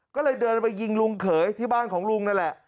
ก็เลยเดินไปยิงลุงเขยที่บ้านของลุงนั่นแหละ